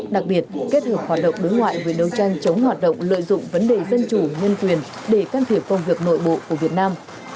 đặc biệt kết hợp hoạt động đối ngoại về đấu tranh chống hoạt động lợi dụng vấn đề dân chủ nhân quyền để can thiệp công việc nội bộ của việt nam